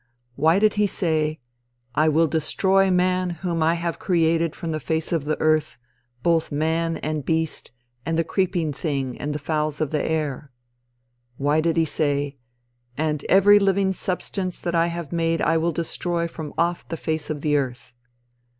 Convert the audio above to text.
Why did he say "I will destroy man whom I have created from the face of the earth, both man and beast, and the creeping thing and the fowls of the air?" Why did he say "And every living substance that I have made will I destroy from off the face of the earth?"